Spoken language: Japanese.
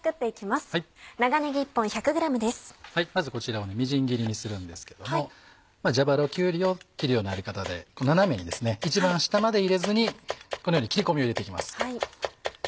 まずこちらをみじん切りにするんですけども蛇腹きゅうりを切るようなやり方で斜めに一番下まで入れずにこのように切り込みを入れて行きます。